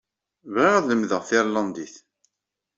Bɣiɣ ad lemdeɣ tirlandit.